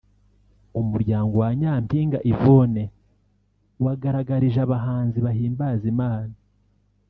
umuryango wa Nyampinga Yvonne wagaragarije abahanzi bahimbaza Imana